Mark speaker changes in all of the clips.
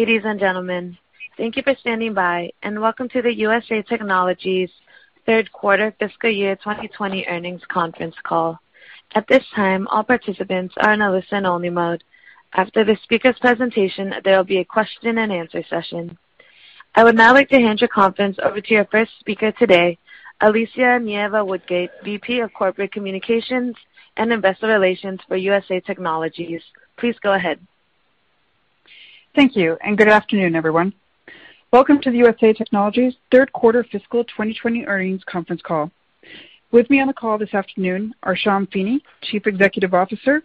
Speaker 1: Ladies and gentlemen, thank you for standing by, and welcome to the USA Technologies Third Quarter Fiscal Year 2020 Earnings Conference Call. At this time, all participants are in a listen-only mode. After the speaker's presentation, there will be a question and answer session. I would now like to hand your conference over to your first speaker today, Alicia Nieva-Woodgate, VP of Corporate Communications and Investor Relations for USA Technologies. Please go ahead.
Speaker 2: Thank you. Good afternoon, everyone. Welcome to the USA Technologies third quarter fiscal 2020 earnings conference call. With me on the call this afternoon are Sean Feeney, Chief Executive Officer;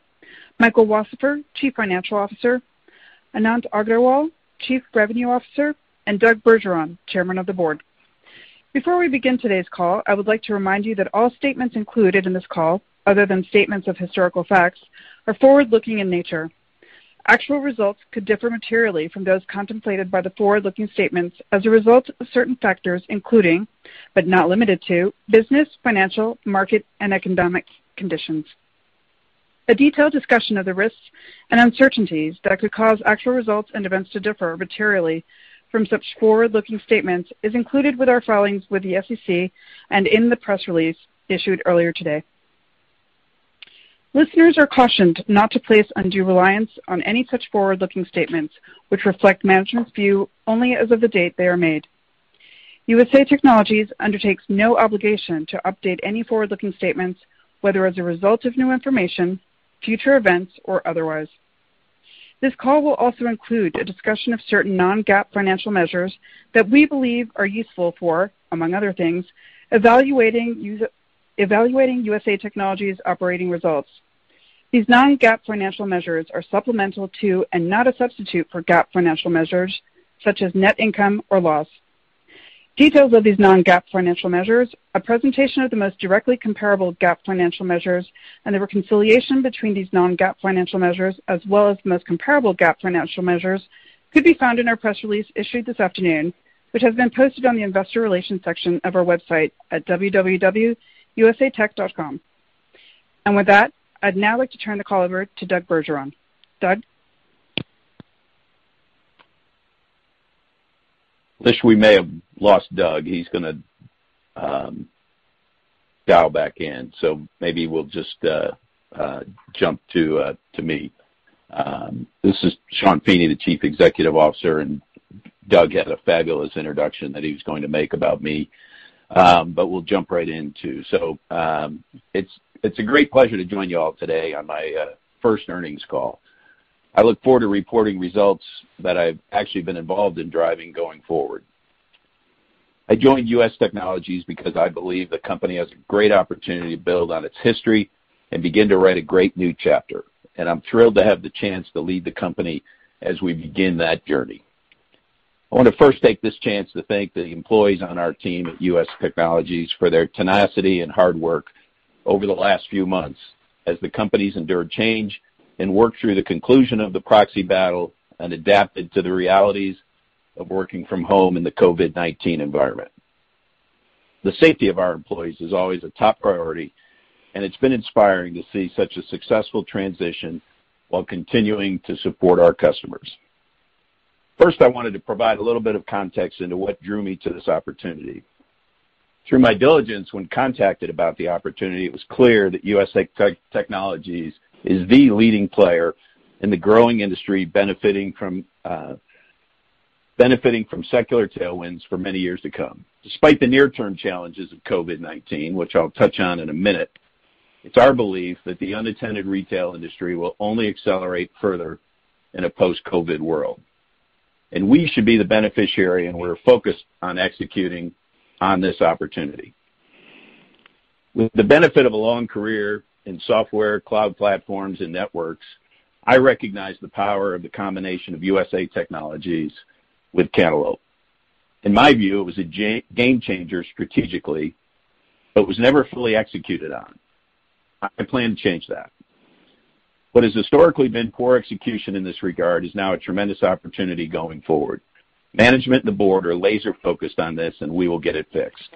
Speaker 2: Michael Wasserfuhr, Chief Financial Officer; Anant Agrawal, Chief Revenue Officer; and Doug Bergeron, Chairman of the Board. Before we begin today's call, I would like to remind you that all statements included in this call, other than statements of historical facts, are forward-looking in nature. Actual results could differ materially from those contemplated by the forward-looking statements as a result of certain factors, including, but not limited to, business, financial, market, and economic conditions. A detailed discussion of the risks and uncertainties that could cause actual results and events to differ materially from such forward-looking statements is included with our filings with the SEC and in the press release issued earlier today. Listeners are cautioned not to place undue reliance on any such forward-looking statements, which reflect management's view only as of the date they are made. USA Technologies undertakes no obligation to update any forward-looking statements, whether as a result of new information, future events, or otherwise. This call will also include a discussion of certain non-GAAP financial measures that we believe are useful for, among other things, evaluating USA Technologies' operating results. These non-GAAP financial measures are supplemental to and not a substitute for GAAP financial measures, such as net income or loss. Details of these non-GAAP financial measures, a presentation of the most directly comparable GAAP financial measures, and the reconciliation between these non-GAAP financial measures, as well as the most comparable GAAP financial measures, could be found in our press release issued this afternoon, which has been posted on the investor relations section of our website at www.usatech.com. With that, I'd now like to turn the call over to Doug Bergeron. Doug?
Speaker 3: Alicia, we may have lost Doug. He's going to dial back in, so maybe we'll just jump to me. This is Sean Feeney, the Chief Executive Officer, and Doug had a fabulous introduction that he was going to make about me. We'll jump right in, too. It's a great pleasure to join you all today on my first earnings call. I look forward to reporting results that I've actually been involved in driving going forward. I joined USA Technologies because I believe the company has a great opportunity to build on its history and begin to write a great new chapter. I'm thrilled to have the chance to lead the company as we begin that journey. I want to first take this chance to thank the employees on our team at USA Technologies for their tenacity and hard work over the last few months as the company's endured change and worked through the conclusion of the proxy battle and adapted to the realities of working from home in the COVID-19 environment. The safety of our employees is always a top priority, and it's been inspiring to see such a successful transition while continuing to support our customers. First, I wanted to provide a little bit of context into what drew me to this opportunity. Through my diligence when contacted about the opportunity, it was clear that USA Technologies is the leading player in the growing industry, benefiting from secular tailwinds for many years to come. Despite the near-term challenges of COVID-19, which I'll touch on in a minute, it's our belief that the unattended retail industry will only accelerate further in a post-COVID world, and we should be the beneficiary, and we're focused on executing on this opportunity. With the benefit of a long career in software, cloud platforms, and networks, I recognize the power of the combination of USA Technologies with Cantaloupe. In my view, it was a game-changer strategically, but was never fully executed on. I plan to change that. What has historically been poor execution in this regard is now a tremendous opportunity going forward. Management and the board are laser-focused on this, and we will get it fixed.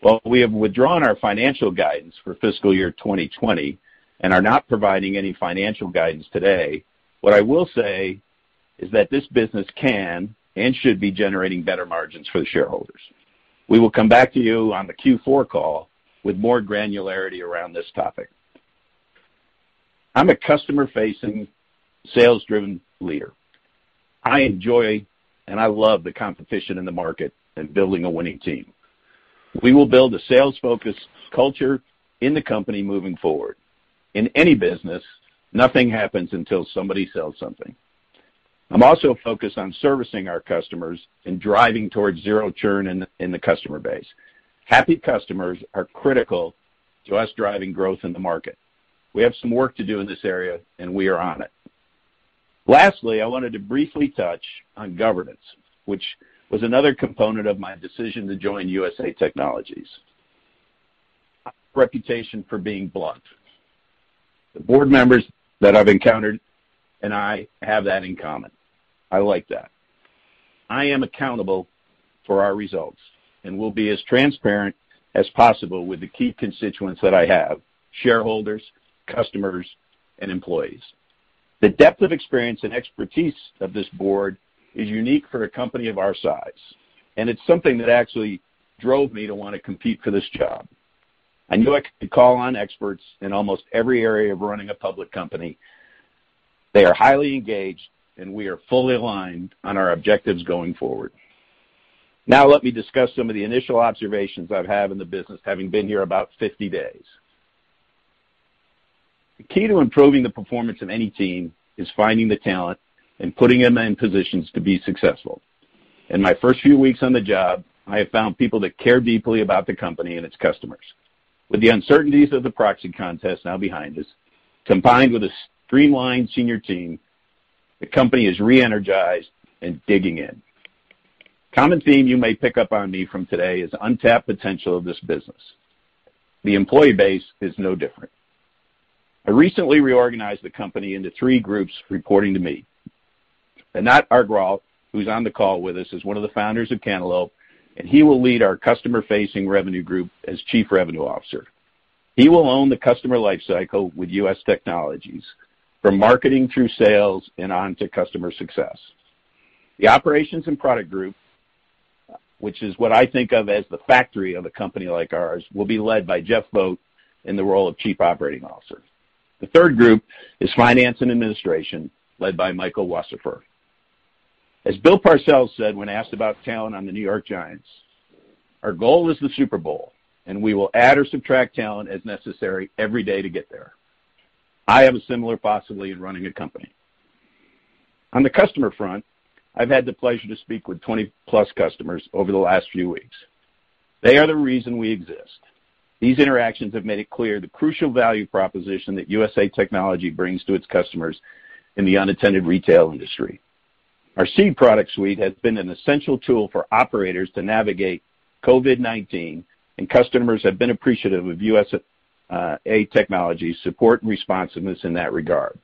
Speaker 3: While we have withdrawn our financial guidance for fiscal year 2020 and are not providing any financial guidance today, what I will say is that this business can and should be generating better margins for the shareholders. We will come back to you on the Q4 call with more granularity around this topic. I'm a customer-facing, sales-driven leader. I enjoy and I love the competition in the market and building a winning team. We will build a sales-focused culture in the company moving forward. In any business, nothing happens until somebody sells something. I'm also focused on servicing our customers and driving towards zero churn in the customer base. Happy customers are critical to us driving growth in the market. We have some work to do in this area, and we are on it. Lastly, I wanted to briefly touch on governance, which was another component of my decision to join USA Technologies. I have a reputation for being blunt. The board members that I've encountered and I have that in common. I like that. I am accountable for our results and will be as transparent as possible with the key constituents that I have: shareholders, customers, and employees. The depth of experience and expertise of this board is unique for a company of our size, and it's something that actually drove me to want to compete for this job. I knew I could call on experts in almost every area of running a public company. They are highly engaged, and we are fully aligned on our objectives going forward. Let me discuss some of the initial observations I've had in the business, having been here about 50 days. The key to improving the performance of any team is finding the talent and putting them in positions to be successful. In my first few weeks on the job, I have found people that care deeply about the company and its customers. With the uncertainties of the proxy contest now behind us, combined with a streamlined senior team, the company is re-energized and digging in. A common theme you may pick up on me from today is the untapped potential of this business. The employee base is no different. I recently reorganized the company into three groups reporting to me. Anant Agrawal, who's on the call with us, is one of the founders of Cantaloupe, and he will lead our customer-facing revenue group as Chief Revenue Officer. He will own the customer life cycle with USA Technologies, from marketing through sales and on to customer success. The operations and product group, which is what I think of as the factory of a company like ours, will be led by Jeff Bode in the role of Chief Operating Officer. The third group is finance and administration, led by Michael Wasserfuhr. As Bill Parcells said when asked about talent on the New York Giants, "Our goal is the Super Bowl, and we will add or subtract talent as necessary every day to get there." I have a similar philosophy in running a company. On the customer front, I've had the pleasure to speak with 20+ customers over the last few weeks. They are the reason we exist. These interactions have made it clear the crucial value proposition that USA Technologies brings to its customers in the unattended retail industry. Our Seed product suite has been an essential tool for operators to navigate COVID-19, and customers have been appreciative of USA Technologies' support and responsiveness in that regard.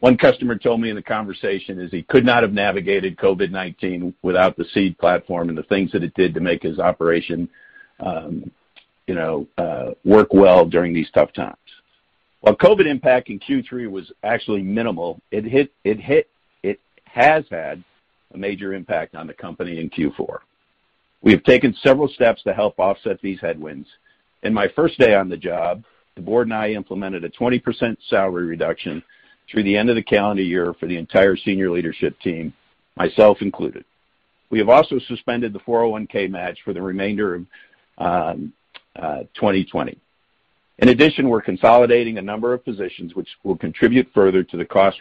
Speaker 3: One customer told me in the conversation is he could not have navigated COVID-19 without the Seed platform and the things that it did to make his operation work well during these tough times. While COVID impact in Q3 was actually minimal, it has had a major impact on the company in Q4. We have taken several steps to help offset these headwinds. In my first day on the job, the board and I implemented a 20% salary reduction through the end of the calendar year for the entire senior leadership team, myself included. We have also suspended the 401(k) match for the remainder of 2020. In addition, we're consolidating a number of positions, which will contribute further to the cost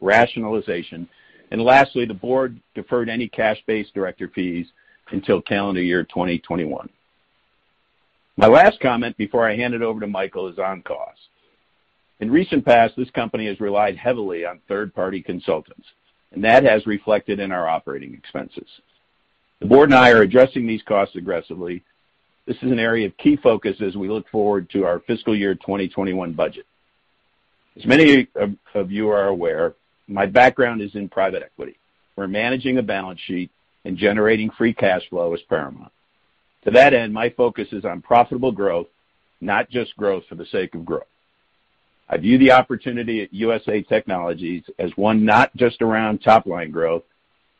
Speaker 3: rationalization, and lastly, the board deferred any cash-based director fees until calendar year 2021. My last comment before I hand it over to Michael is on cost. In recent past, this company has relied heavily on third-party consultants, and that has reflected in our operating expenses. The board and I are addressing these costs aggressively. This is an area of key focus as we look forward to our fiscal year 2021 budget. As many of you are aware, my background is in private equity, where managing a balance sheet and generating free cash flow is paramount. To that end, my focus is on profitable growth, not just growth for the sake of growth. I view the opportunity at USA Technologies as one not just around top-line growth,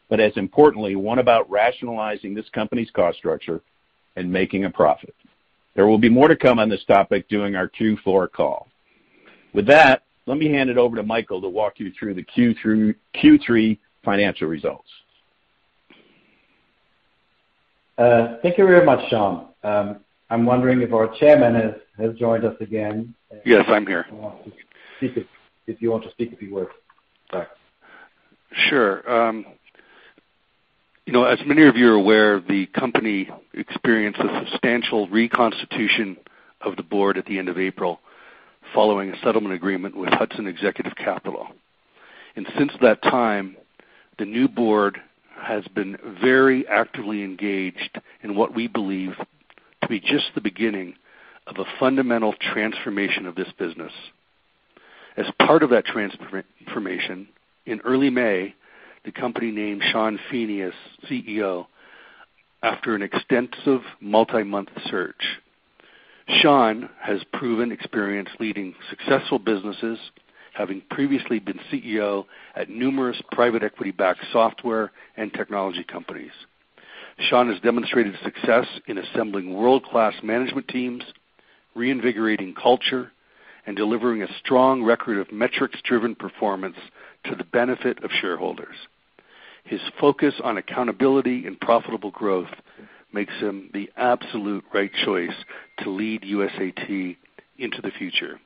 Speaker 3: but as importantly, one about rationalizing this company's cost structure and making a profit. There will be more to come on this topic during our Q4 call. With that, let me hand it over to Michael to walk you through the Q3 financial results.
Speaker 4: Thank you very much, Sean. I'm wondering if our chairman has joined us again?
Speaker 5: Yes, I'm here.
Speaker 4: If you want to speak a few words. Doug.
Speaker 5: Sure. As many of you are aware, the company experienced a substantial reconstitution of the board at the end of April following a settlement agreement with Hudson Executive Capital. Since that time, the new board has been very actively engaged in what we believe to be just the beginning of a fundamental transformation of this business. As part of that transformation, in early May, the company named Sean Feeney as CEO after an extensive multi-month search. Sean has proven experience leading successful businesses, having previously been CEO at numerous private equity-backed software and technology companies. Sean has demonstrated success in assembling world-class management teams, reinvigorating culture, and delivering a strong record of metrics-driven performance to the benefit of shareholders. His focus on accountability and profitable growth makes him the absolute right choice to lead USAT into the future.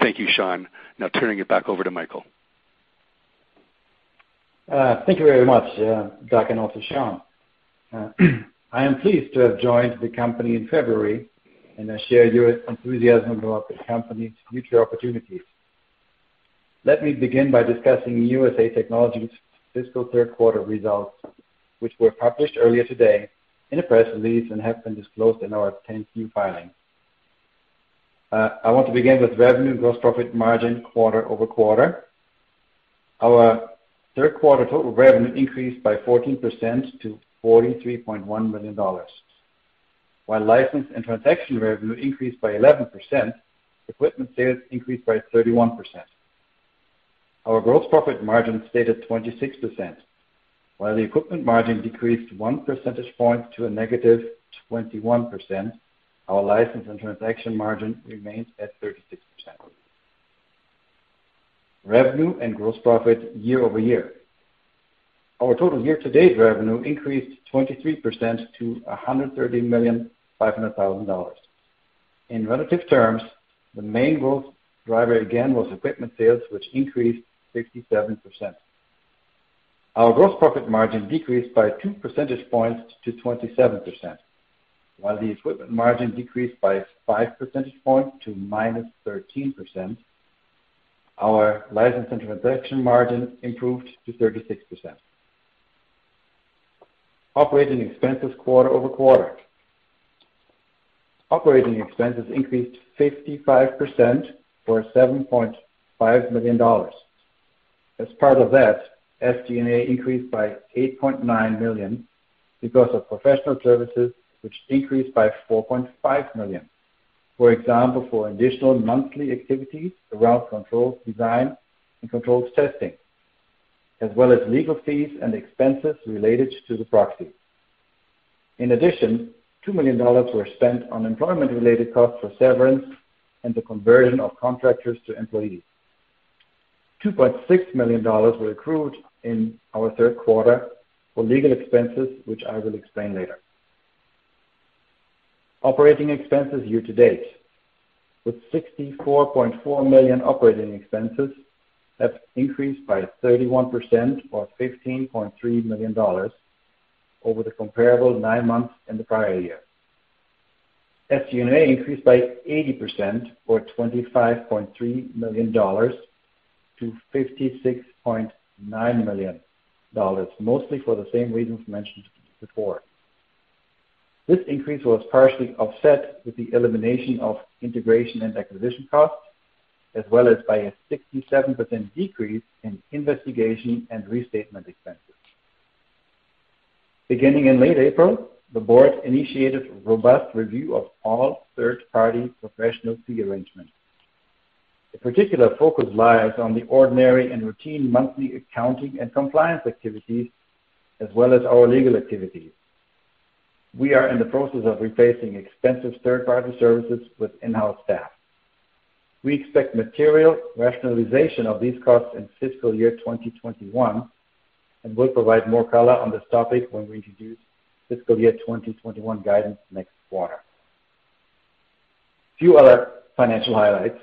Speaker 5: Thank you, Sean. Now turning it back over to Michael.
Speaker 4: Thank you very much, Doug, and also Sean. I am pleased to have joined the company in February, and I share your enthusiasm about the company's future opportunities. Let me begin by discussing USA Technologies' fiscal third quarter results, which were published earlier today in a press release and have been disclosed in our 10-Q filing. I want to begin with revenue gross profit margin quarter-over-quarter. Our third quarter total revenue increased by 14% to $43.1 million. While license and transaction revenue increased by 11%, equipment sales increased by 31%. Our gross profit margin stayed at 26%, while the equipment margin decreased one percentage point to a -21%, our license and transaction margin remains at 36%. Revenue and gross profit year-over-year. Our total year-to-date revenue increased 23% to $130,500,000. In relative terms, the main growth driver again, was equipment sales, which increased 67%. Our gross profit margin decreased by two percentage points to 27%, while the equipment margin decreased by five percentage points to -13%. Our license and transaction margin improved to 36%. Operating expenses quarter-over-quarter. Operating expenses increased 55% for $7.5 million. As part of that, SG&A increased by $8.9 million because of professional services, which increased by $4.5 million. For example, for additional monthly activities around controls design and controls testing, as well as legal fees and expenses related to the proxy. In addition, $2 million were spent on employment-related costs for severance and the conversion of contractors to employees. $2.6 million were accrued in our third quarter for legal expenses, which I will explain later. Operating expenses year-to-date. With $64.4 million operating expenses, that's increased by 31% or $15.3 million over the comparable nine months in the prior year. SG&A increased by 80% or $25.3 million to $56.9 million. Mostly for the same reasons mentioned before. This increase was partially offset with the elimination of integration and acquisition costs, as well as by a 67% decrease in investigation and restatement expenses. Beginning in late April, the board initiated robust review of all third-party professional fee arrangements. A particular focus lies on the ordinary and routine monthly accounting and compliance activities, as well as our legal activities. We are in the process of replacing expensive third-party services with in-house staff. We expect material rationalization of these costs in fiscal year 2021, and we'll provide more color on this topic when we introduce fiscal year 2021 guidance next quarter. Few other financial highlights.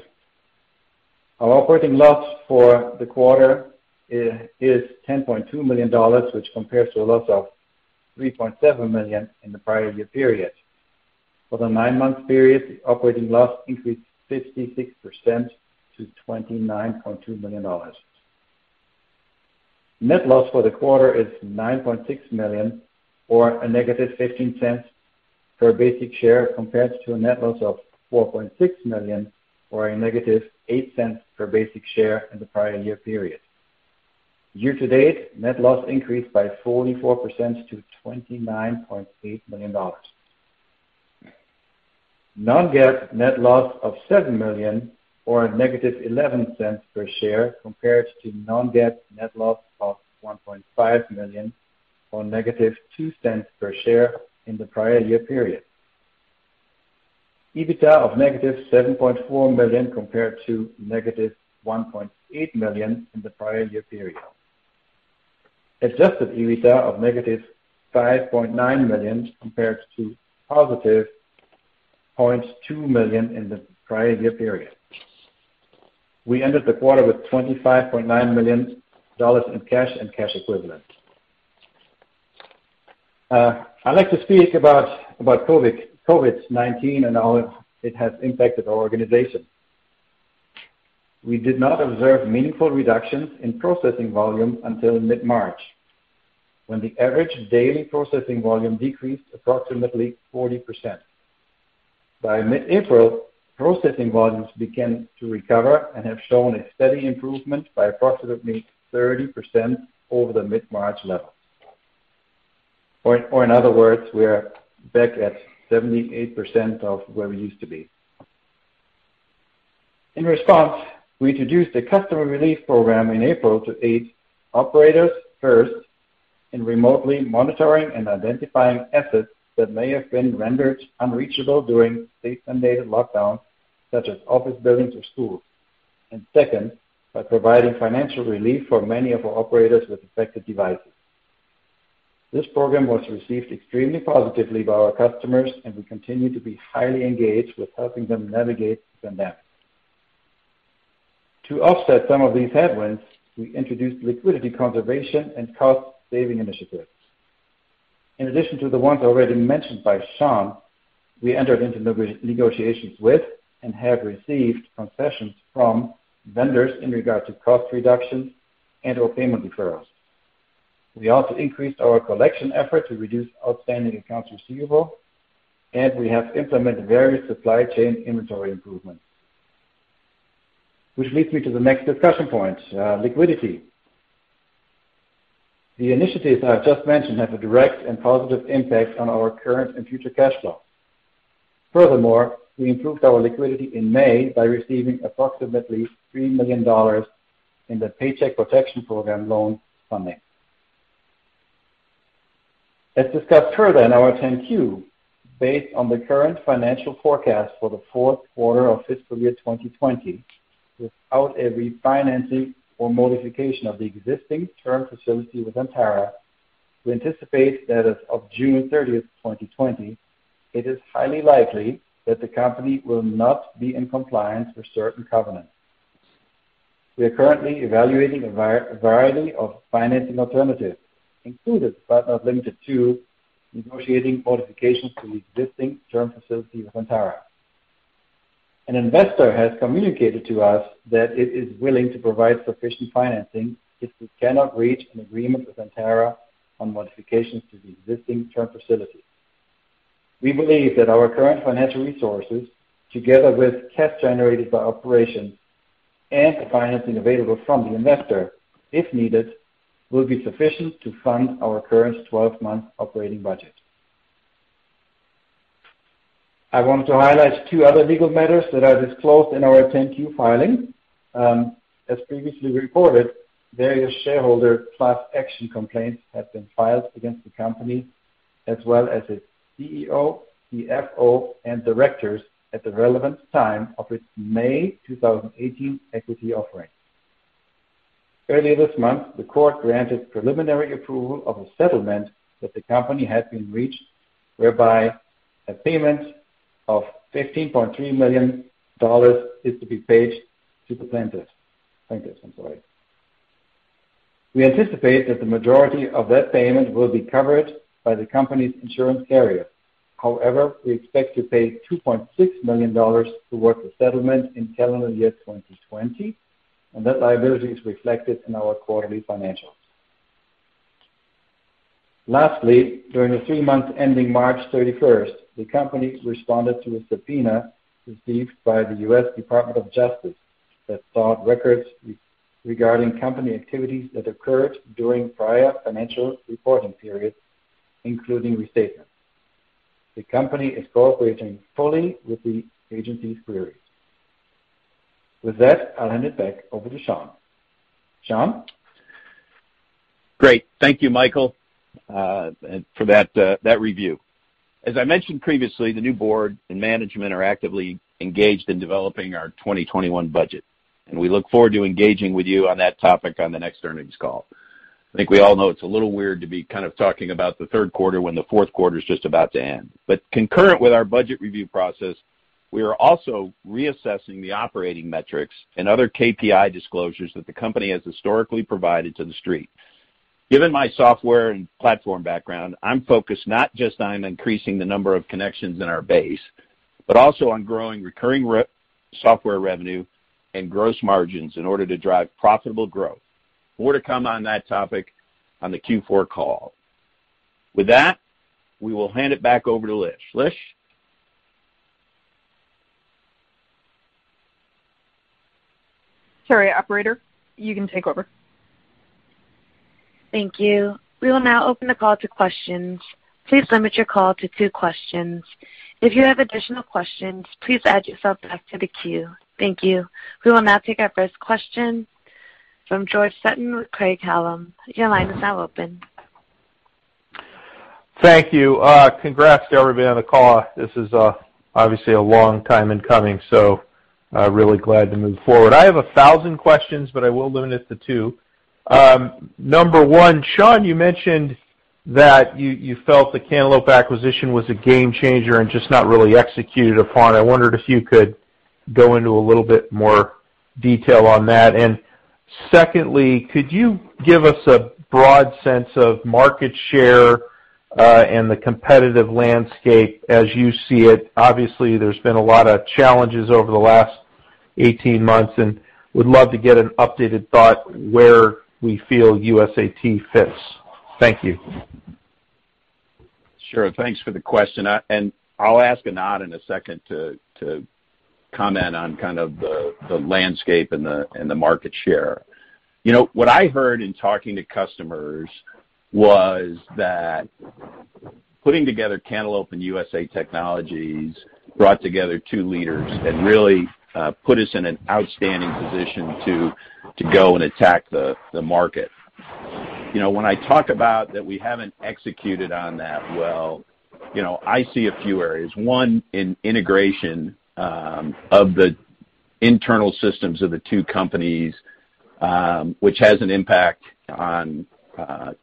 Speaker 4: Our operating loss for the quarter is $10.2 million, which compares to a loss of $3.7 million in the prior year period. For the nine-month period, the operating loss increased 56% to $29.2 million. Net loss for the quarter is $9.6 million or a -$0.15 per basic share, compared to a net loss of $4.6 million or a -$0.08 per basic share in the prior year period. Year to date, net loss increased by 44% to $29.8 million. Non-GAAP net loss of $7 million or a -$0.11 per share compared to non-GAAP net loss of $1.5 million or -$0.02 per share in the prior year period. EBITDA of -$7.4 million compared to -$1.8 million in the prior year period. Adjusted EBITDA of -$5.9 million compared to +$0.2 million in the prior year period. We ended the quarter with $25.9 million in cash and cash equivalents. I'd like to speak about COVID-19 and how it has impacted our organization. We did not observe meaningful reductions in processing volume until mid-March, when the average daily processing volume decreased approximately 40%. By mid-April, processing volumes began to recover and have shown a steady improvement by approximately 30% over the mid-March levels. In other words, we are back at 78% of where we used to be. In response, we introduced a customer relief program in April to aid operators first in remotely monitoring and identifying assets that may have been rendered unreachable during state-mandated lockdowns, such as office buildings or schools, and second, by providing financial relief for many of our operators with affected devices. This program was received extremely positively by our customers, and we continue to be highly engaged with helping them navigate the pandemic. To offset some of these headwinds, we introduced liquidity conservation and cost-saving initiatives. In addition to the ones already mentioned by Sean, we entered into negotiations with and have received concessions from vendors in regard to cost reductions and/or payment deferrals. We also increased our collection effort to reduce outstanding accounts receivable, and we have implemented various supply chain inventory improvements. Which leads me to the next discussion point, liquidity. The initiatives I've just mentioned have a direct and positive impact on our current and future cash flow. Furthermore, we improved our liquidity in May by receiving approximately $3 million in the Paycheck Protection Program loan funding. As discussed further in our 10-Q, based on the current financial forecast for the fourth quarter of fiscal year 2020, without a refinancing or modification of the existing term facility with Antara, we anticipate that as of June 30th, 2020, it is highly likely that the company will not be in compliance with certain covenants. We are currently evaluating a variety of financing alternatives, including, but not limited to, negotiating modifications to the existing term facility with Antara. An investor has communicated to us that it is willing to provide sufficient financing if we cannot reach an agreement with Antara on modifications to the existing term facility. We believe that our current financial resources, together with cash generated by operations and the financing available from the investor, if needed, will be sufficient to fund our current 12-month operating budget. I want to highlight two other legal matters that are disclosed in our 10-Q filing. As previously reported, various shareholder class action complaints have been filed against the company as well as its CEO, CFO, and directors at the relevant time of its May 2018 equity offering. Earlier this month, the court granted preliminary approval of a settlement that the company had been reached, whereby a payment of $15.3 million is to be paid to the plaintiffs. We anticipate that the majority of that payment will be covered by the company's insurance carrier. However, we expect to pay $2.6 million towards the settlement in calendar year 2020, and that liability is reflected in our quarterly financials. Lastly, during the three months ending March 31st, the company responded to a subpoena received by the U.S. Department of Justice that sought records regarding company activities that occurred during prior financial reporting periods, including restatements. The company is cooperating fully with the agency's queries. With that, I'll hand it back over to Sean. Sean?
Speaker 3: Great. Thank you, Michael, for that review. As I mentioned previously, the new board and management are actively engaged in developing our 2021 budget, and we look forward to engaging with you on that topic on the next earnings call. I think we all know it's a little weird to be kind of talking about the third quarter when the fourth quarter is just about to end. Concurrent with our budget review process, we are also reassessing the operating metrics and other KPI disclosures that the company has historically provided to the street. Given my software and platform background, I'm focused not just on increasing the number of connections in our base, but also on growing recurring software revenue and gross margins in order to drive profitable growth. More to come on that topic on the Q4 call. With that, we will hand it back over to Lish. Lish?
Speaker 2: Sorry, operator. You can take over.
Speaker 1: Thank you. We will now open the call to questions. Please limit your call to two questions. If you have additional questions, please add yourself back to the queue. Thank you. We will now take our first question from George Sutton with Craig-Hallum. Your line is now open.
Speaker 6: Thank you. Congrats to everybody on the call. This is obviously a long time in coming, really glad to move forward. I have 1,000 questions, I will limit it to two. Number one, Sean, you mentioned that you felt the Cantaloupe acquisition was a game changer and just not really executed upon. I wondered if you could go into a little bit more detail on that. Secondly, could you give us a broad sense of market share, and the competitive landscape as you see it? Obviously, there's been a lot of challenges over the last 18 months, and would love to get an updated thought where we feel USAT fits. Thank you.
Speaker 3: Sure. Thanks for the question. I'll ask Anant in a second to comment on kind of the landscape and the market share. What I heard in talking to customers was that putting together Cantaloupe and USA Technologies brought together two leaders and really put us in an outstanding position to go and attack the market. When I talk about that we haven't executed on that well, I see a few areas. One, in integration of the internal systems of the two companies, which has an impact on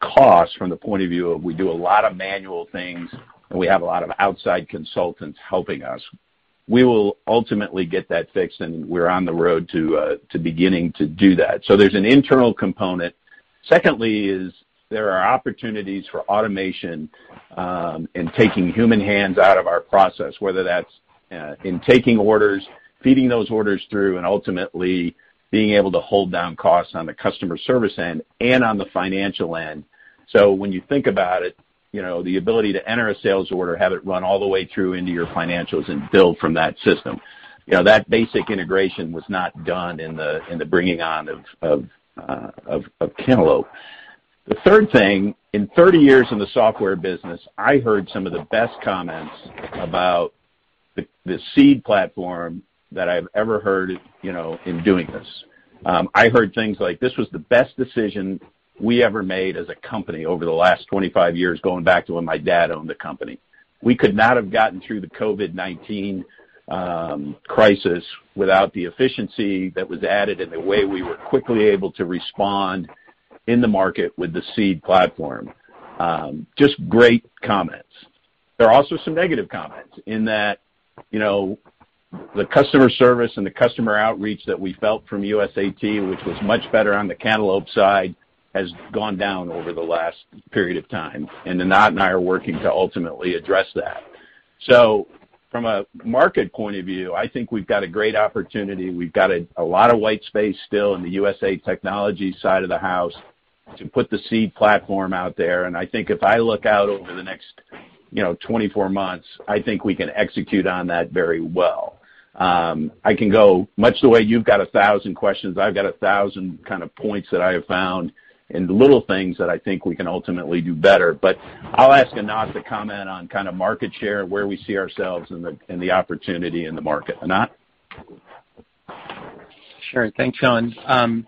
Speaker 3: cost from the point of view of we do a lot of manual things, and we have a lot of outside consultants helping us. We will ultimately get that fixed, and we're on the road to beginning to do that. There's an internal component. Secondly is there are opportunities for automation, and taking human hands out of our process, whether that's in taking orders, feeding those orders through, and ultimately being able to hold down costs on the customer service end and on the financial end. When you think about it, the ability to enter a sales order, have it run all the way through into your financials and build from that system. That basic integration was not done in the bringing on of Cantaloupe. The third thing, in 30 years in the software business, I heard some of the best comments about the Seed platform that I've ever heard in doing this. I heard things like, "This was the best decision we ever made as a company over the last 25 years, going back to when my dad owned the company. We could not have gotten through the COVID-19 crisis without the efficiency that was added and the way we were quickly able to respond in the market with the Seed platform. Just great comments. There are also some negative comments in that, the customer service and the customer outreach that we felt from USAT, which was much better on the Cantaloupe side, has gone down over the last period of time, and Anant and I are working to ultimately address that. From a market point of view, I think we've got a great opportunity. We've got a lot of white space still in the USA Technologies side of the house to put the Seed platform out there, and I think if I look out over the next 24 months, I think we can execute on that very well. I can go much the way you've got 1,000 questions, I've got 1,000 kind of points that I have found and little things that I think we can ultimately do better. I'll ask Anant to comment on kind of market share, where we see ourselves and the opportunity in the market. Anant?
Speaker 7: Sure. Thanks, Sean.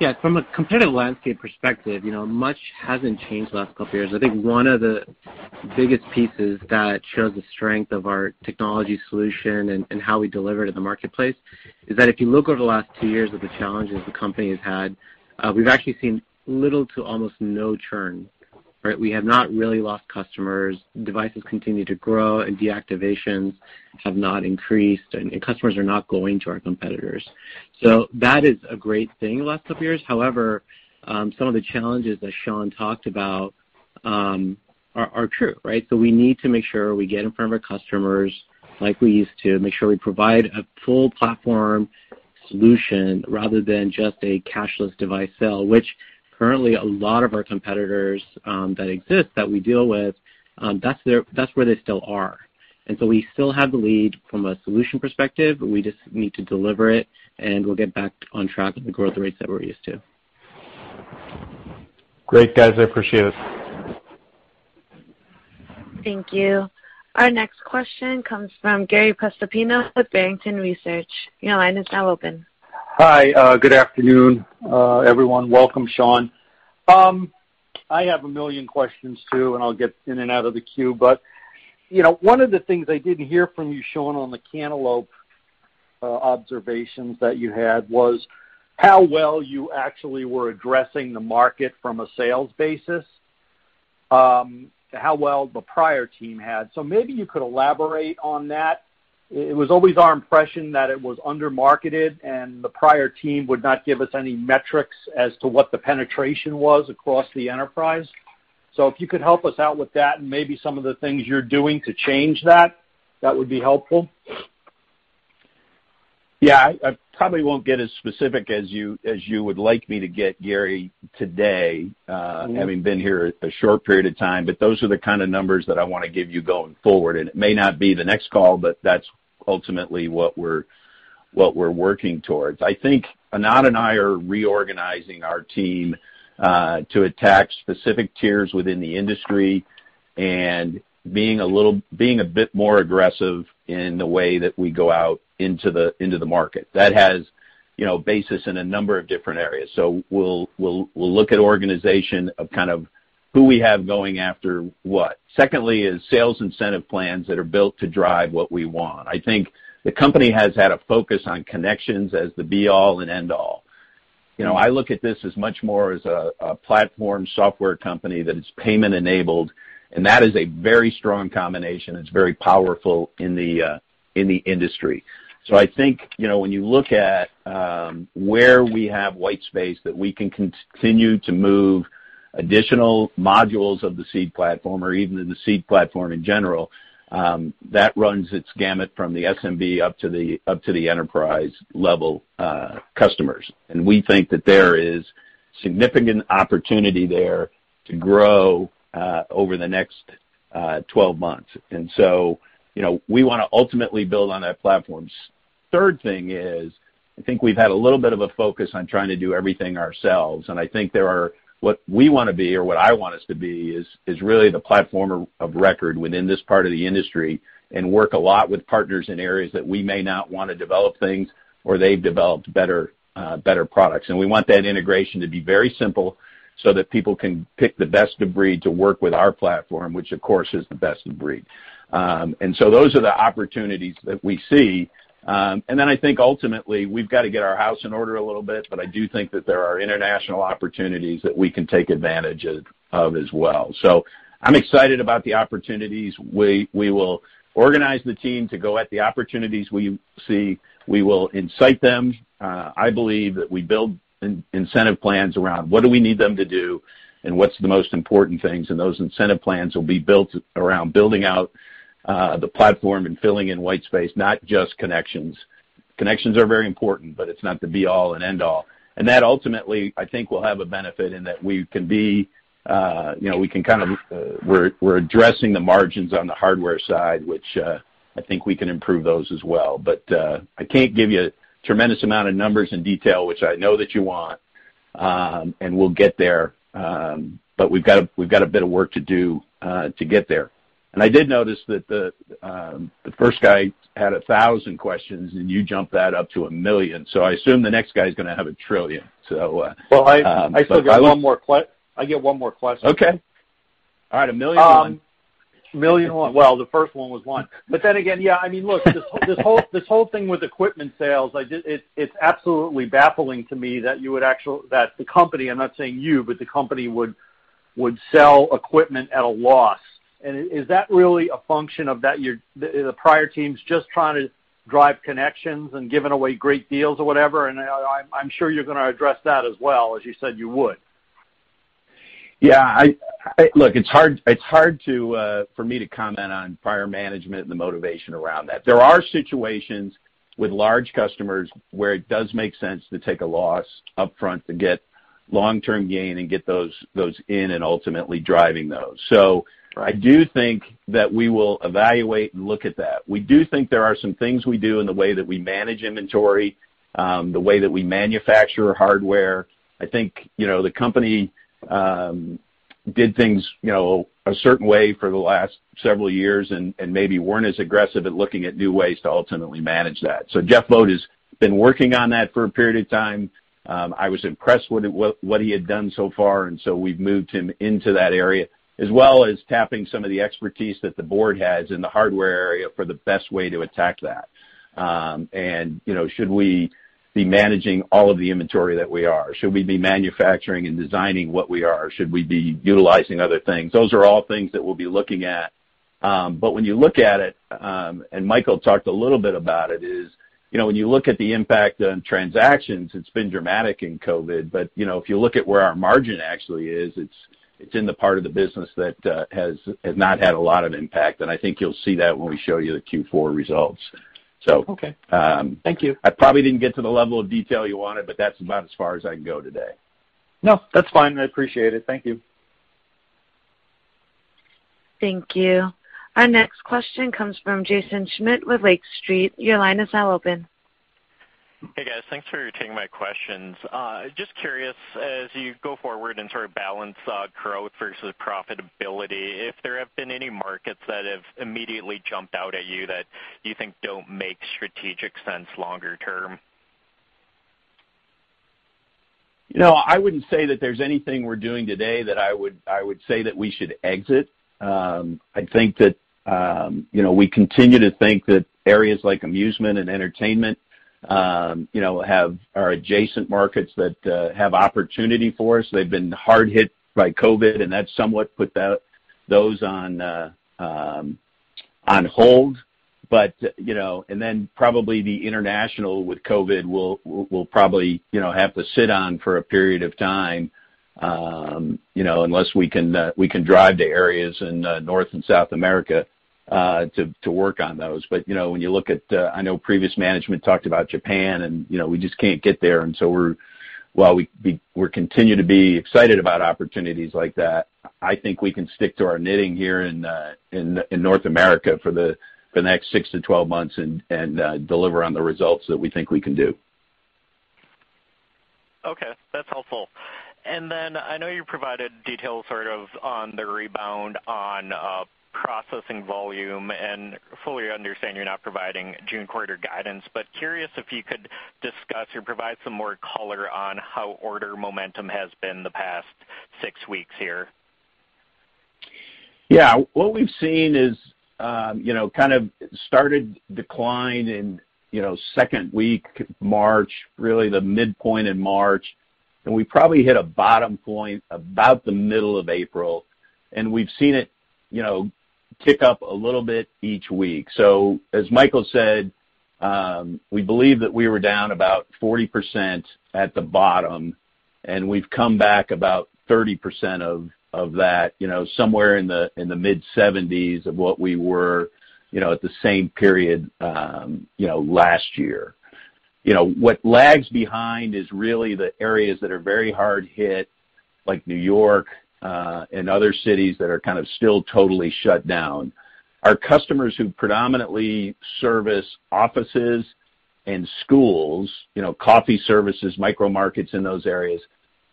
Speaker 7: Yeah, from a competitive landscape perspective, much hasn't changed the last couple of years. I think one of the biggest pieces that shows the strength of our technology solution and how we deliver to the marketplace is that if you look over the last two years of the challenges the company has had, we've actually seen little to almost no churn, right? We have not really lost customers, devices continue to grow, and deactivations have not increased, and customers are not going to our competitors. That is a great thing the last couple of years. However, some of the challenges that Sean talked about are true, right? We need to make sure we get in front of our customers like we used to, make sure we provide a full platform solution rather than just a cashless device sale, which currently a lot of our competitors that exist that we deal with, that's where they still are. We still have the lead from a solution perspective. We just need to deliver it, and we'll get back on track with the growth rates that we're used to.
Speaker 6: Great, guys. I appreciate it.
Speaker 1: Thank you. Our next question comes from Gary Prestopino with Barrington Research. Your line is now open.
Speaker 8: Hi. Good afternoon, everyone. Welcome, Sean. I have a million questions, too, and I'll get in and out of the queue. One of the things I didn't hear from you, Sean, on the Cantaloupe observations that you had was how well you actually were addressing the market from a sales basis, how well the prior team had. Maybe you could elaborate on that. It was always our impression that it was under-marketed, and the prior team would not give us any metrics as to what the penetration was across the enterprise. If you could help us out with that and maybe some of the things you're doing to change that would be helpful.
Speaker 3: I probably won't get as specific as you would like me to get, Gary, today, having been here a short period of time. Those are the kind of numbers that I want to give you going forward, it may not be the next call, that's ultimately what we're working towards. I think Anant and I are reorganizing our team to attack specific tiers within the industry and being a bit more aggressive in the way that we go out into the market. That has basis in a number of different areas. We'll look at organization of kind of who we have going after what. Secondly is sales incentive plans that are built to drive what we want. I think the company has had a focus on connections as the be-all and end-all. I look at this as much more as a platform software company that is payment-enabled, that is a very strong combination. It's very powerful in the industry. I think, when you look at where we have white space that we can continue to move additional modules of the Seed platform or even the Seed platform in general, that runs its gamut from the SMB up to the enterprise-level customers. We think that there is significant opportunity there to grow over the next 12 months. We want to ultimately build on that platform. Third thing is, I think we've had a little bit of a focus on trying to do everything ourselves, and I think what we want to be, or what I want us to be, is really the platform of record within this part of the industry and work a lot with partners in areas that we may not want to develop things or they've developed better products. We want that integration to be very simple so that people can pick the best of breed to work with our platform, which of course is the best of breed. Those are the opportunities that we see. I think ultimately we've got to get our house in order a little bit, but I do think that there are international opportunities that we can take advantage of as well. I'm excited about the opportunities. We will organize the team to go at the opportunities we see. We will incite them. I believe that we build incentive plans around what do we need them to do and what's the most important things, and those incentive plans will be built around building out the platform and filling in white space, not just connections. Connections are very important, but it's not the be all and end all. That ultimately, I think, will have a benefit in that we're addressing the margins on the hardware side, which I think we can improve those as well. I can't give you a tremendous amount of numbers and detail, which I know that you want, and we'll get there. We've got a bit of work to do to get there. I did notice that the first guy had 1,000 questions, and you jumped that up to 1 million. I assume the next guy is going to have a trillion.
Speaker 8: Well, I get one more question.
Speaker 3: Okay. All right, a million and one.
Speaker 8: A million and one.
Speaker 3: Well, the first one was one.
Speaker 8: Then again, yeah, look, this whole thing with equipment sales, it's absolutely baffling to me that the company, I'm not saying you, but the company would sell equipment at a loss. Is that really a function of the prior teams just trying to drive connections and giving away great deals or whatever? I'm sure you're going to address that as well, as you said you would.
Speaker 3: Yeah. Look, it's hard for me to comment on prior management and the motivation around that. There are situations with large customers where it does make sense to take a loss upfront to get long-term gain and get those in and ultimately driving those.
Speaker 8: Right.
Speaker 3: I do think that we will evaluate and look at that. We do think there are some things we do in the way that we manage inventory, the way that we manufacture hardware. I think the company did things a certain way for the last several years and maybe weren't as aggressive at looking at new ways to ultimately manage that. Jeff Bode has been working on that for a period of time. I was impressed with what he had done so far, and so we've moved him into that area, as well as tapping some of the expertise that the board has in the hardware area for the best way to attack that. Should we be managing all of the inventory that we are? Should we be manufacturing and designing what we are? Should we be utilizing other things? Those are all things that we'll be looking at. When you look at it, and Michael talked a little bit about it, is when you look at the impact on transactions, it's been dramatic in COVID-19. If you look at where our margin actually is, it's in the part of the business that has not had a lot of impact. I think you'll see that when we show you the Q4 results.
Speaker 8: Okay. Thank you
Speaker 3: I probably didn't get to the level of detail you wanted, but that's about as far as I can go today.
Speaker 8: No, that's fine. I appreciate it. Thank you.
Speaker 1: Thank you. Our next question comes from Jaeson Schmidt with Lake Street. Your line is now open.
Speaker 9: Hey, guys. Thanks for taking my questions. Just curious, as you go forward and sort of balance growth versus profitability, if there have been any markets that have immediately jumped out at you that you think don't make strategic sense longer term?
Speaker 3: I wouldn't say that there's anything we're doing today that I would say that we should exit. I think that we continue to think that areas like amusement and entertainment are adjacent markets that have opportunity for us. They've been hard hit by COVID, that's somewhat put those on hold. Then probably the international with COVID, we'll probably have to sit on for a period of time, unless we can drive to areas in North and South America to work on those. When you look at, I know previous management talked about Japan, and we just can't get there. So while we continue to be excited about opportunities like that, I think we can stick to our knitting here in North America for the next 6 to 12 months and deliver on the results that we think we can do.
Speaker 9: Okay, that's helpful. I know you provided details sort of on the rebound on processing volume, and fully understand you're not providing June quarter guidance, but curious if you could discuss or provide some more color on how order momentum has been the past six weeks here.
Speaker 3: What we've seen is kind of started decline in second week, March, really the midpoint in March, and we probably hit a bottom point about the middle of April, and we've seen it tick up a little bit each week. As Michael Wasserfuhr said, we believe that we were down about 40% at the bottom, and we've come back about 30% of that, somewhere in the mid-70s of what we were at the same period last year. What lags behind is really the areas that are very hard hit, like New York, and other cities that are kind of still totally shut down. Our customers who predominantly service offices and schools, coffee services, micro markets in those areas,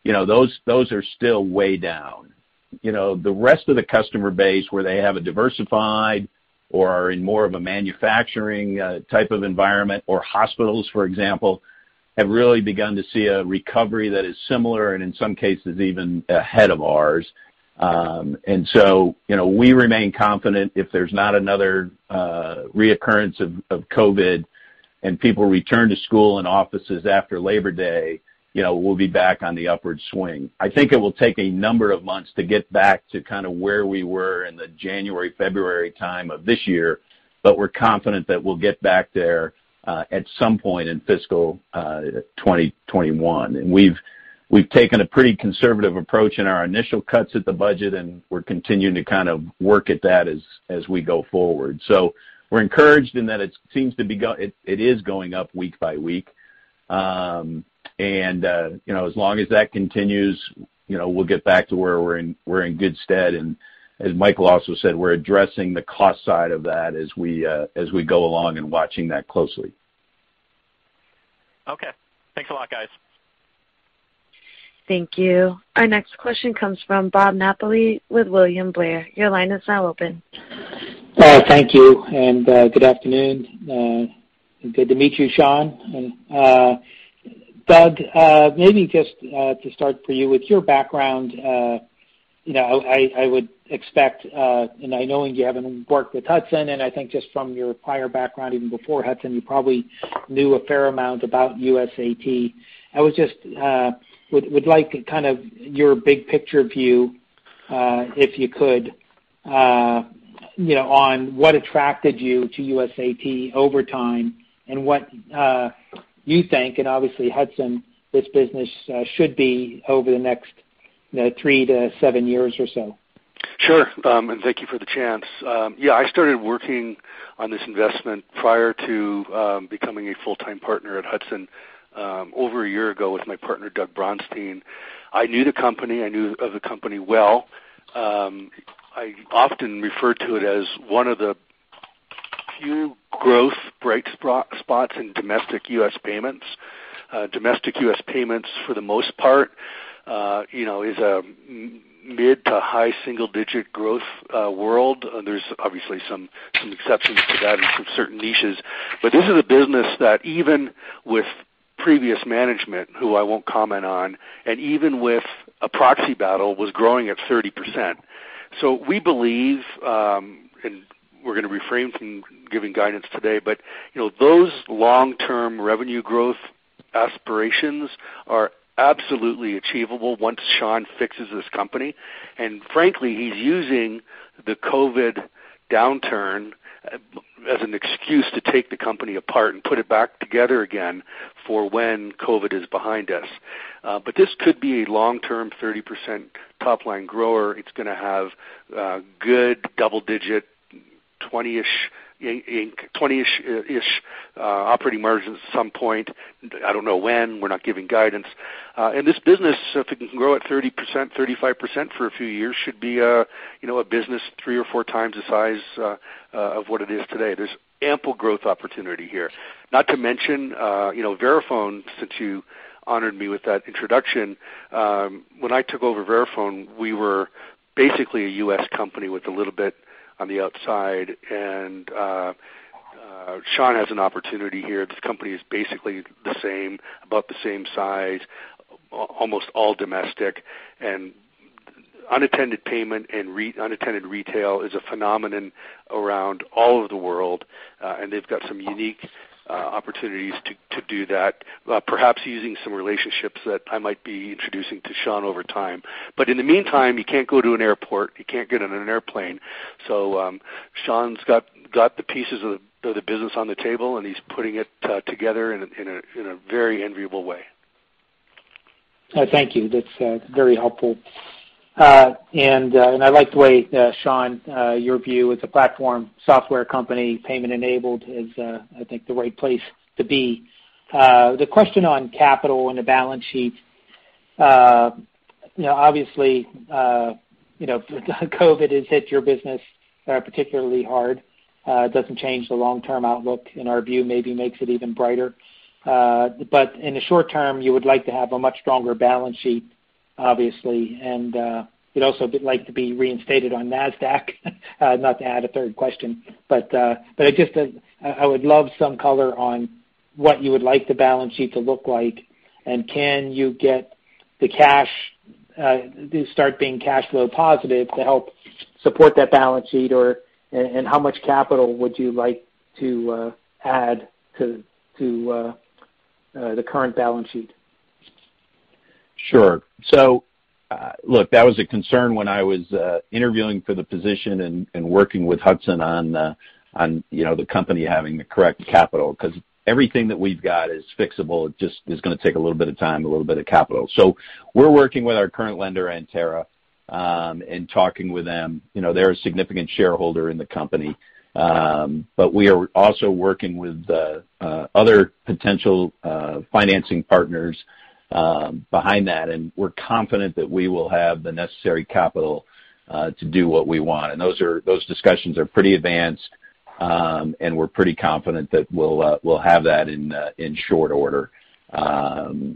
Speaker 3: those are still way down. The rest of the customer base, where they have a diversified or are in more of a manufacturing type of environment or hospitals, for example, have really begun to see a recovery that is similar and in some cases, even ahead of ours. We remain confident if there's not another reoccurrence of COVID-19 and people return to school and offices after Labor Day, we'll be back on the upward swing. I think it will take a number of months to get back to kind of where we were in the January, February time of this year, but we're confident that we'll get back there at some point in fiscal 2021. We've taken a pretty conservative approach in our initial cuts at the budget, and we're continuing to work at that as we go forward. We're encouraged in that it is going up week by week. As long as that continues, we'll get back to where we're in good stead. As Michael also said, we're addressing the cost side of that as we go along and watching that closely.
Speaker 9: Okay. Thanks a lot, guys.
Speaker 1: Thank you. Our next question comes from Bob Napoli with William Blair. Your line is now open.
Speaker 10: Thank you, and good afternoon. Good to meet you, Sean. Doug, maybe just to start for you, with your background, I would expect, and knowing you having worked with Hudson and I think just from your prior background, even before Hudson, you probably knew a fair amount about USAT. I would like your big picture view, if you could, on what attracted you to USAT over time and what you think, and obviously Hudson, this business should be over the next three to seven years or so.
Speaker 5: Sure. Thank you for the chance. I started working on this investment prior to becoming a full-time partner at Hudson over a year ago with my partner, Doug Braunstein. I knew of the company well. I often refer to it as one of the few growth bright spots in domestic U.S. payments. Domestic U.S. payments, for the most part, is a mid to high single-digit growth world. There's obviously some exceptions to that in some certain niches. This is a business that even with previous management, who I won't comment on, and even with a proxy battle, was growing at 30%. We believe, and we're going to refrain from giving guidance today, but those long-term revenue growth aspirations are absolutely achievable once Sean fixes this company. Frankly, he's using the COVID downturn as an excuse to take the company apart and put it back together again for when COVID is behind us. This could be a long-term, 30% top-line grower. It's going to have good double-digit, 20-ish operating margins at some point. I don't know when. We're not giving guidance. This business, if it can grow at 30%, 35% for a few years, should be a business three or four times the size of what it is today. There's ample growth opportunity here. Not to mention, Verifone, since you honored me with that introduction. When I took over Verifone, we were basically a U.S. company with a little bit on the outside. Sean has an opportunity here. This company is basically the same, about the same size, almost all domestic. Unattended payment and unattended retail is a phenomenon around all of the world. They've got some unique opportunities to do that, perhaps using some relationships that I might be introducing to Sean over time. In the meantime, you can't go to an airport, you can't get on an airplane. Sean's got the pieces of the business on the table, and he's putting it together in a very enviable way.
Speaker 10: Thank you. That's very helpful. I like the way, Sean, your view as a platform software company, payment-enabled is, I think, the right place to be. The question on capital and the balance sheet, obviously COVID-19 has hit your business particularly hard. It doesn't change the long-term outlook, in our view, maybe makes it even brighter. In the short term, you would like to have a much stronger balance sheet, obviously, and you'd also like to be reinstated on Nasdaq not to add a third question, I would love some color on what you would like the balance sheet to look like, and can you start being cash flow positive to help support that balance sheet, and how much capital would you like to add to the current balance sheet?
Speaker 3: Sure. Look, that was a concern when I was interviewing for the position and working with Hudson on the company having the correct capital because everything that we've got is fixable. It just is going to take a little bit of time, a little bit of capital. We're working with our current lender, Antara Capital, and talking with them. They're a significant shareholder in the company. We are also working with other potential financing partners behind that, and we're confident that we will have the necessary capital to do what we want. Those discussions are pretty advanced, and we're pretty confident that we'll have that in short order. I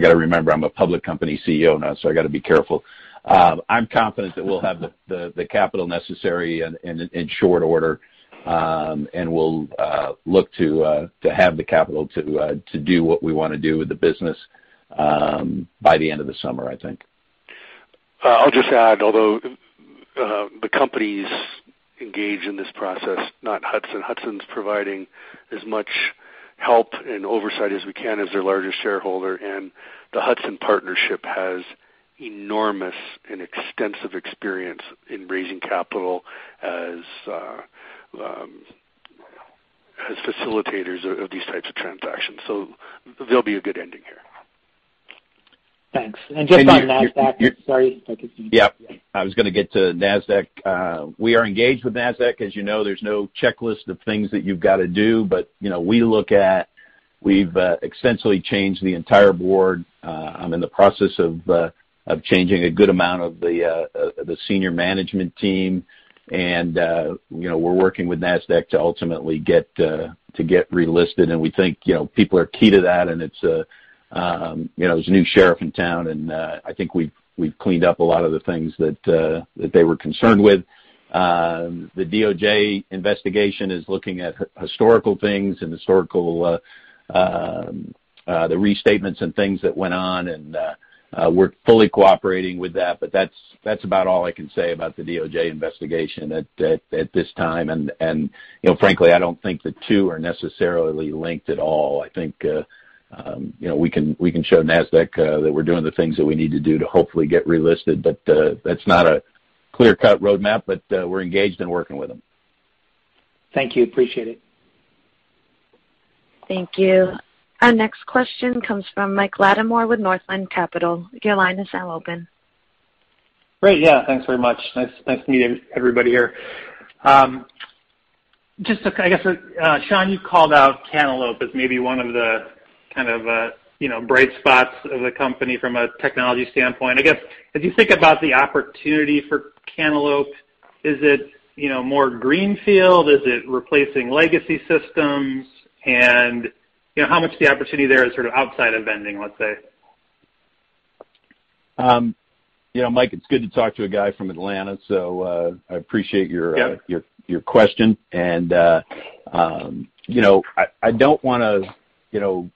Speaker 3: got to remember I'm a public company CEO now, so I got to be careful. I'm confident that we'll have the capital necessary and in short order. We'll look to have the capital to do what we want to do with the business by the end of the summer, I think.
Speaker 5: I'll just add, although the company's engaged in this process, not Hudson. Hudson's providing as much help and oversight as we can as their largest shareholder, the Hudson partnership has Enormous and extensive experience in raising capital as facilitators of these types of transactions. There'll be a good ending here.
Speaker 10: Thanks.
Speaker 3: And you-
Speaker 10: Nasdaq. Sorry.
Speaker 3: Yeah.
Speaker 10: Yeah.
Speaker 3: I was going to get to Nasdaq. We are engaged with Nasdaq. As you know, there's no checklist of things that you've got to do, we've extensively changed the entire board. I'm in the process of changing a good amount of the senior management team, and we're working with Nasdaq to ultimately get relisted, and we think people are key to that, and there's a new sheriff in town, and I think we've cleaned up a lot of the things that they were concerned with. The DOJ investigation is looking at historical things and the restatements and things that went on, and we're fully cooperating with that. That's about all I can say about the DOJ investigation at this time. Frankly, I don't think the two are necessarily linked at all. I think we can show Nasdaq that we're doing the things that we need to do to hopefully get relisted, but that's not a clear-cut roadmap. We're engaged and working with them.
Speaker 10: Thank you. Appreciate it.
Speaker 1: Thank you. Our next question comes from Mike Latimore with Northland Capital. Your line is now open.
Speaker 11: Great. Yeah. Thanks very much. Nice to meet everybody here. I guess, Sean, you called out Cantaloupe as maybe one of the kind of bright spots of the company from a technology standpoint. I guess, as you think about the opportunity for Cantaloupe, is it more greenfield? Is it replacing legacy systems? How much the opportunity there is sort of outside of vending, let's say?
Speaker 3: Mike, it's good to talk to a guy from Atlanta.
Speaker 11: Yeah
Speaker 3: question. I don't want to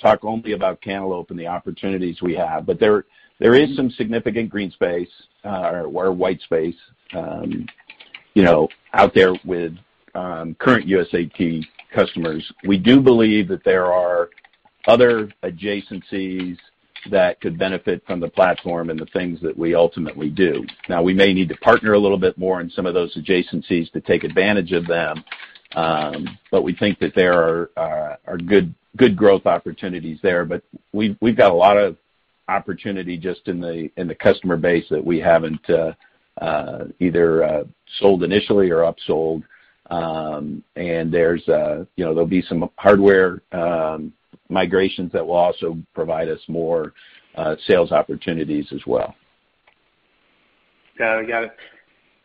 Speaker 3: talk only about Cantaloupe and the opportunities we have, but there is some significant green space or white space out there with current USAT customers. We do believe that there are other adjacencies that could benefit from the platform and the things that we ultimately do. Now, we may need to partner a little bit more on some of those adjacencies to take advantage of them, but we think that there are good growth opportunities there. We've got a lot of opportunity just in the customer base that we haven't either sold initially or upsold. There'll be some hardware migrations that will also provide us more sales opportunities as well.
Speaker 11: Got it.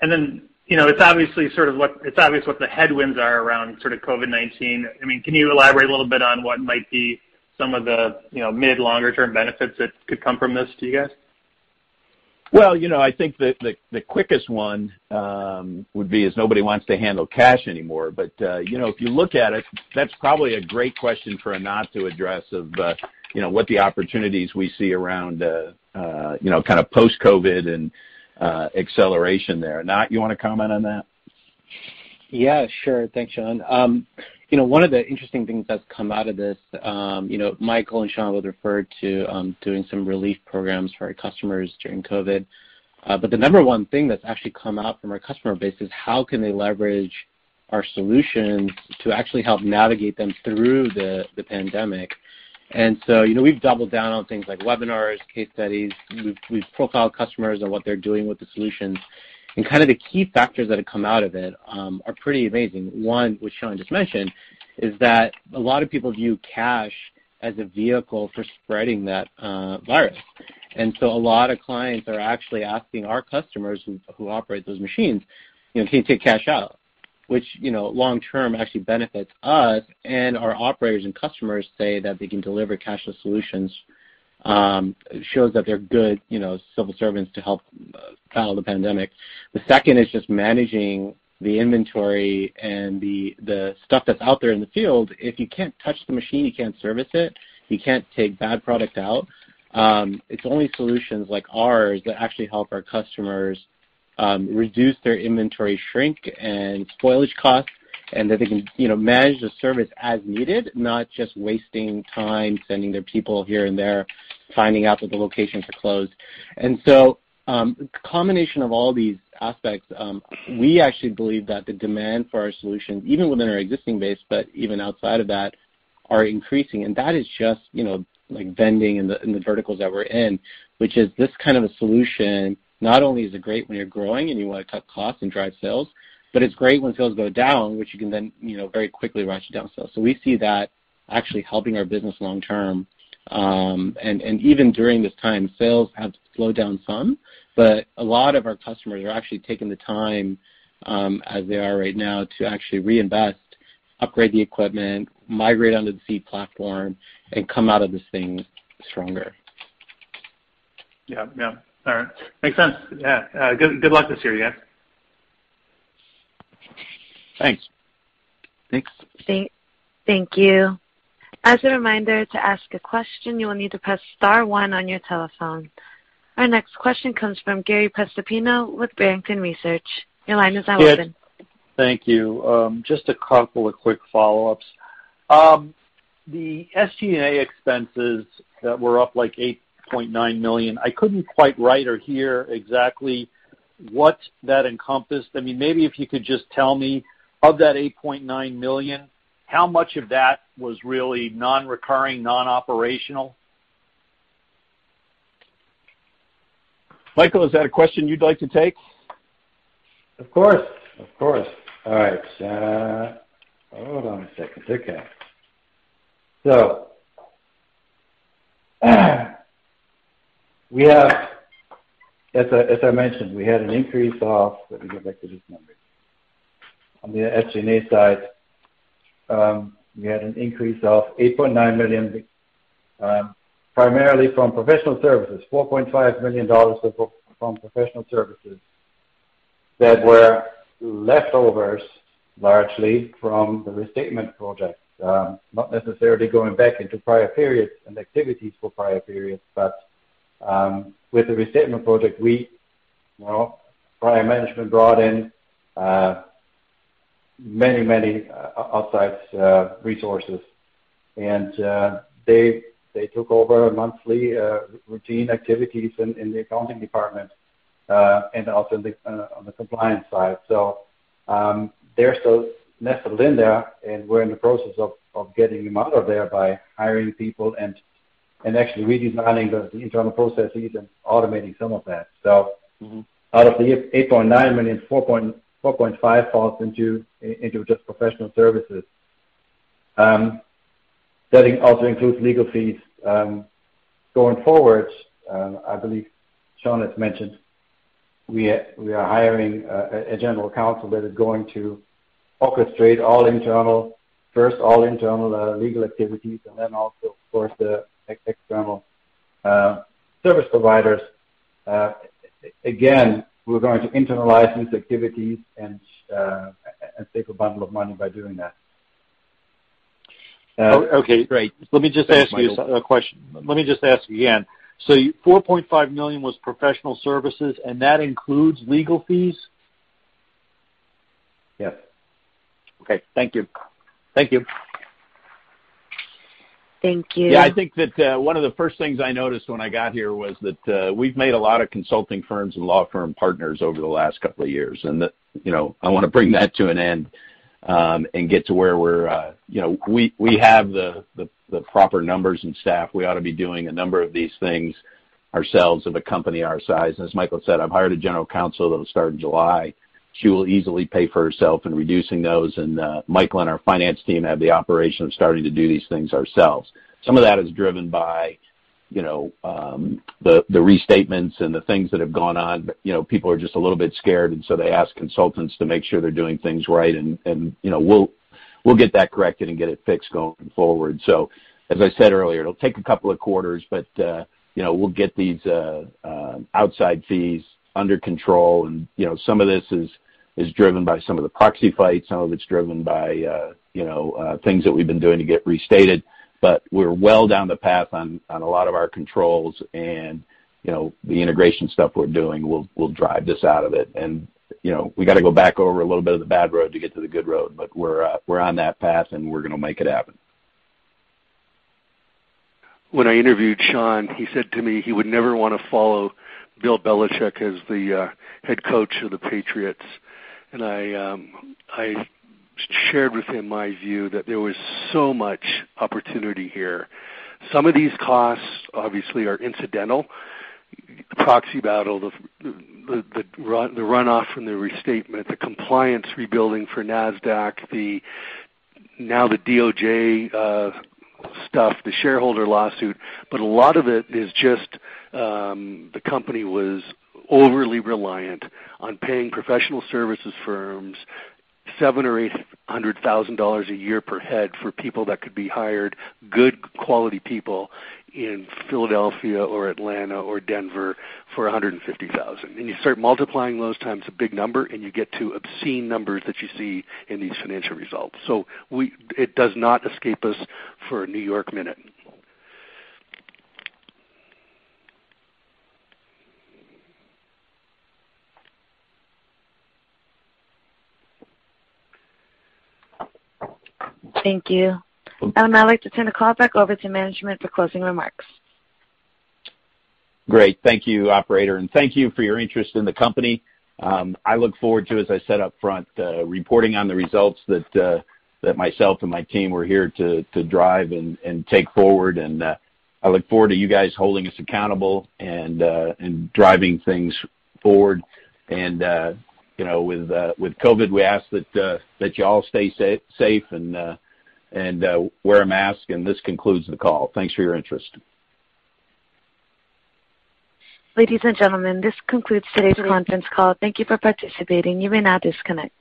Speaker 11: It's obvious what the headwinds are around sort of COVID-19. Can you elaborate a little bit on what might be some of the mid longer-term benefits that could come from this to you guys?
Speaker 3: Well, I think the quickest one would be is nobody wants to handle cash anymore. If you look at it, that's probably a great question for Anant to address of what the opportunities we see around kind of post-COVID and acceleration there. Anant, you want to comment on that?
Speaker 7: Yeah, sure. Thanks, Sean. One of the interesting things that's come out of this, Michael and Sean both referred to doing some relief programs for our customers during COVID-19. The number one thing that's actually come out from our customer base is how can they leverage our solutions to actually help navigate them through the pandemic. We've doubled down on things like webinars, case studies. We've profiled customers on what they're doing with the solutions. Kind of the key factors that have come out of it are pretty amazing. One, which Sean just mentioned, is that a lot of people view cash as a vehicle for spreading that virus. A lot of clients are actually asking our customers who operate those machines, "Can you take cash out?" Which, long-term, actually benefits us and our operators and customers say that they can deliver cashless solutions. It shows that they're good civil servants to help battle the pandemic. The second is just managing the inventory and the stuff that's out there in the field. If you can't touch the machine, you can't service it. You can't take bad product out. It's only solutions like ours that actually help our customers reduce their inventory shrink and spoilage costs, and that they can manage the service as needed, not just wasting time sending their people here and there, finding out that the locations are closed. Combination of all these aspects, we actually believe that the demand for our solutions, even within our existing base, but even outside of that, are increasing. That is just vending in the verticals that we're in. Which is this kind of a solution, not only is it great when you're growing and you want to cut costs and drive sales, but it's great when sales go down, which you can then very quickly rush down sales. We see that actually helping our business long term. Even during this time, sales have slowed down some, but a lot of our customers are actually taking the time, as they are right now, to actually reinvest, upgrade the equipment, migrate onto the Seed platform, and come out of this thing stronger.
Speaker 11: Yeah. All right. Makes sense. Yeah. Good luck this year, guys.
Speaker 3: Thanks.
Speaker 7: Thanks.
Speaker 1: Thank you. As a reminder, to ask a question, you will need to press star one on your telephone. Our next question comes from Gary Prestopino with Barrington Research. Your line is now open.
Speaker 8: Thank you. Just a couple of quick follow-ups. The SG&A expenses that were up like $8.9 million, I couldn't quite write or hear exactly what that encompassed. Maybe if you could just tell me, of that $8.9 million, how much of that was really non-recurring, non-operational?
Speaker 3: Michael, is that a question you'd like to take?
Speaker 4: Of course. All right. Hold on a second. Okay. As I mentioned, let me get back to this number. On the SG&A side, we had an increase of $8.9 million primarily from professional services, $4.5 million from professional services that were leftovers, largely from the restatement project. Not necessarily going back into prior periods and activities for prior periods, but with the restatement project, prior management brought in many outside resources. They took over monthly routine activities in the accounting department and also on the compliance side. They're still nestled in there, and we're in the process of getting them out of there by hiring people and actually redesigning the internal processes and automating some of that. Out of the $8.9 million, $4.5 million falls into just professional services. That also includes legal fees. Going forward, I believe Sean has mentioned we are hiring a general counsel that is going to orchestrate, first, all internal legal activities, and then also, of course, the external service providers. Again, we're going to internalize these activities and save a bundle of money by doing that.
Speaker 8: Okay, great.
Speaker 3: Thanks, Michael.
Speaker 8: Let me just ask you again. $4.5 million was professional services, and that includes legal fees?
Speaker 4: Yes.
Speaker 8: Okay. Thank you.
Speaker 4: Thank you.
Speaker 1: Thank you.
Speaker 3: Yeah, I think that one of the first things I noticed when I got here was that we've made a lot of consulting firms and law firm partners over the last couple of years, that I want to bring that to an end and get to where we have the proper numbers and staff. We ought to be doing a number of these things ourselves of a company our size. As Michael said, I've hired a general counsel that'll start in July. She will easily pay for herself in reducing those. Michael and our finance team have the operation of starting to do these things ourselves. Some of that is driven by the restatements and the things that have gone on. People are just a little bit scared, and so they ask consultants to make sure they're doing things right, and we'll get that corrected and get it fixed going forward. As I said earlier, it'll take a couple of quarters, but we'll get these outside fees under control. Some of this is driven by some of the proxy fights, some of it's driven by things that we've been doing to get restated. We're well down the path on a lot of our controls, and the integration stuff we're doing will drive this out of it. We got to go back over a little bit of the bad road to get to the good road, but we're on that path, and we're going to make it happen.
Speaker 5: When I interviewed Sean, he said to me he would never want to follow Bill Belichick as the head coach of the Patriots. I shared with him my view that there was so much opportunity here. Some of these costs, obviously, are incidental. The proxy battle, the runoff from the restatement, the compliance rebuilding for Nasdaq, now the DOJ stuff, the shareholder lawsuit. A lot of it is just the company was overly reliant on paying professional services firms $700,000 or $800,000 a year per head for people that could be hired, good quality people in Philadelphia or Atlanta or Denver for $150,000. You start multiplying those times a big number, and you get to obscene numbers that you see in these financial results. It does not escape us for a New York Minute.
Speaker 1: Thank you. I would now like to turn the call back over to management for closing remarks.
Speaker 3: Great. Thank you, operator. Thank you for your interest in the company. I look forward to, as I said up front, reporting on the results that myself and my team were here to drive and take forward. I look forward to you guys holding us accountable and driving things forward. With COVID-19, we ask that you all stay safe and wear a mask. This concludes the call. Thanks for your interest.
Speaker 1: Ladies and gentlemen, this concludes today's conference call. Thank you for participating. You may now disconnect.